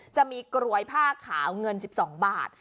จะมีกรวยผ้าขาวเงิน๑๒บาท